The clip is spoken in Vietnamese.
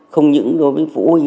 không những đối với phụ huynh